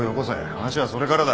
話はそれからだ。